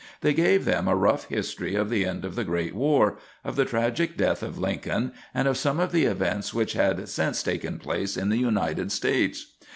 They gave them a rough history of the end of the great war, of the tragic death of Lincoln, and of some of the events which had since taken place in the United States.